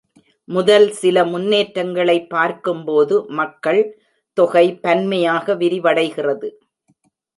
முதல் சில முன்னேற்றங்களை பார்க்கும்போது மக்கள் தொகை பன்மையாக விரிவடைகிறது.